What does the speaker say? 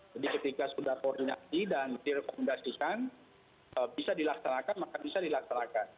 ketika sudah koordinasi dan direkomendasikan bisa dilaksanakan maka bisa dilaksanakan